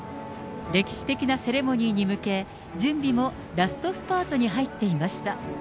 歴史的なセレモニーに向け、準備もラストスパートに入っていました。